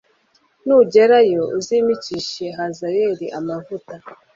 nugerayo uzimikishe Hazayeli amavuta